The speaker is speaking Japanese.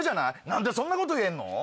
何でそんなこと言えんの？